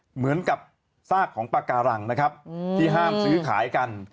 เหมือนกับซากของปากการังนะครับที่ห้ามซื้อขายกัน